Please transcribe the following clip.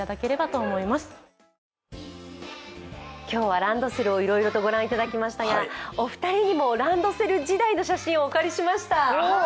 今日はランドセルをいろいろと御覧いただきましたがお二人にもランドセル時代の写真をお借りしました。